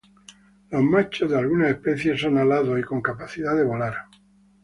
Los machos de algunas especies son alados y con capacidad de volar.